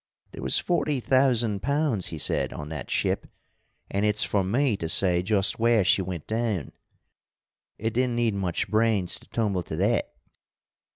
'There was forty thousand pounds,' he said, 'on that ship, and it's for me to say just where she went down.' It didn't need much brains to tumble to that.